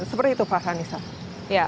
seperti itu farhanisa